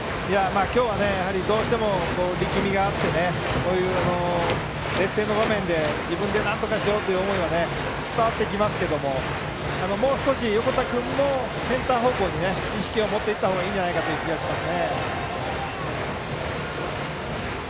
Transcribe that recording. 今日はどうしても力みがあって劣勢の場面で、自分でなんとかしようという思いは伝わってきますけどもう少し横田君もセンター方向に意識を持っていったほうがいい気がします。